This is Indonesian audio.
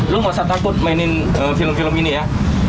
lo masa takut mainin film film ini ya